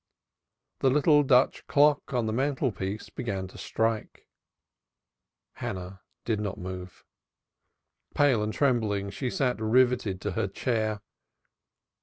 The little Dutch clock on the mantelpiece began to strike. Hannah did not move. Pale and trembling she sat riveted to her chair.